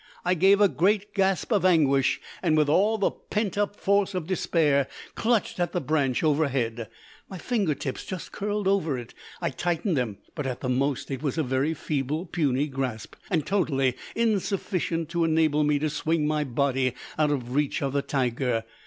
I gave a great gasp of anguish, and with all the pent up force of despair clutched at the branch overhead. My finger tips just curled over it; I tightened them, but, at the most, it was a very feeble, puny grasp, and totally insufficient to enable me to swing my body out of reach of the tiger.